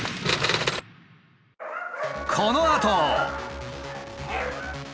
このあと。